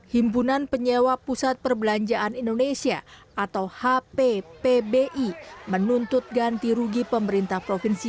pembunan penyewa pusat perbelanjaan indonesia atau hp pbi menuntut ganti rugi pemerintah provinsi